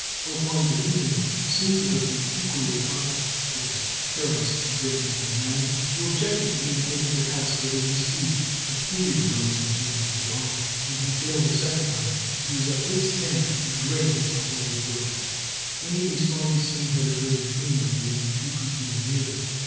Both lines of reasoning seem to have been equally obnoxious to this careless, indifferent young man, who objected to being taken to task for his misdeeds, and hated "rows" and "scenes" with his uncle. When he failed the second time he was at his wits' end in dread of his uncle's reproaches. Many a stormy scene had occurred between them during the two preceding years.